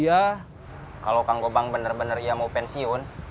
iya kalau kang gobang bener bener ya mau pensiun